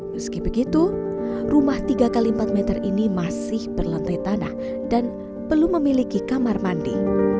meski begitu rumah tiga x empat meter ini masih berlantai tanah dan belum memiliki kamar mandi